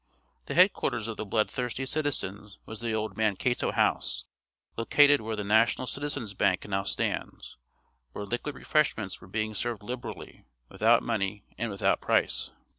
The headquarters of the blood thirsty citizens was the old Mankato House located where the National Citizens Bank now stands, where liquid refreshments were being served liberally, without money and without price.